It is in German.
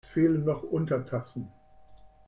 Es fehlen noch Untertassen.